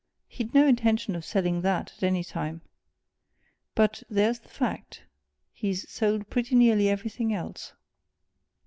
He'd no intention of selling that, at any time. But there's the fact! he's sold pretty nearly everything else."